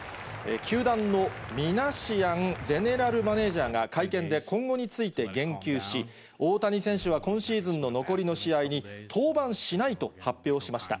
球団のミナシアンゼネラルマネージャーが会見で今後について言及し、大谷選手は今シーズンの残りの試合に、登板しないと発表しました。